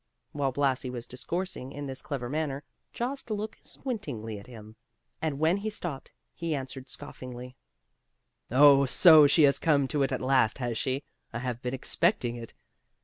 While Blasi was discoursing in this clever manner, Jost looked squintingly at him, and when he stopped, he answered scoffingly, "Oh, so she has come to it at last, has she? I have been expecting it.